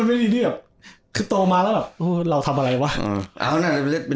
สิ่งที่โตมาแล้วพี่เธอเรารู้ถ้าคุณทำอะไร